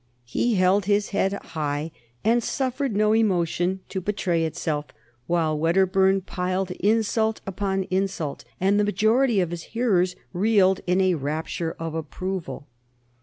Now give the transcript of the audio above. He held his head high and suffered no emotion to betray itself while Wedderburn piled insult upon insult, and the majority of his hearers reeled in a rapture of approval.